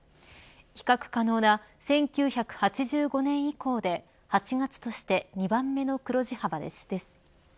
比較可能な１９８５年以降で８月として２番目の黒字幅です。